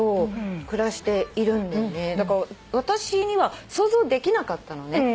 だから私には想像できなかったのね。